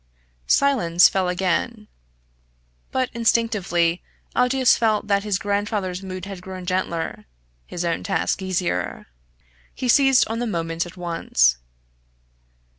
Silence fell again. But instinctively Aldous felt that his grandfather's mood had grown gentler his own task easier. He seized on the moment at once.